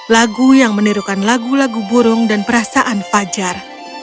lagu yang menirukan lagu lagu burung dan perasaan fajar